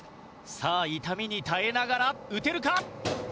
さあ痛みに耐えながら打てるか？